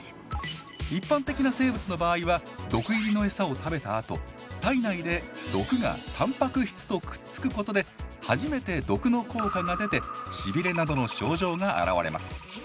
一般的な生物の場合は毒入りのを食べたあと体内で毒がたんぱく質とくっつくことで初めて毒の効果が出てしびれなどの症状が現れます。